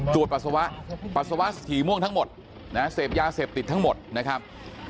ตรวจปัสสาวะปัสสาวะฉี่ม่วงทั้งหมดนะเสพยาเสพติดทั้งหมดนะครับ